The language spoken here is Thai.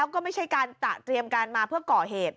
ก็ไม่ใช่การตาเตรียมการเกาะเหตุ